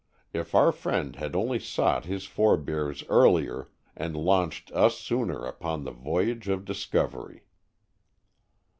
If our friend had only sought his forebears earlier, and launched us sooner upon the voyage of discovery!